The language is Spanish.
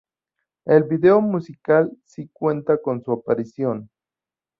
El video musical sí cuenta con su aparición.